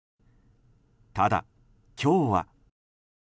ただ、今日は。